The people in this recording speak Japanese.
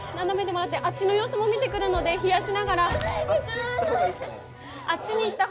あっちの様子も見てくるので冷やしながら。